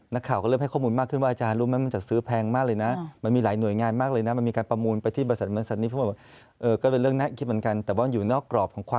นักข่าวก็เริ่มให้ข้อมูลมากขึ้นว่าอาจารย์รู้ไหมมันจัดซื้อแพงมากเลยนะ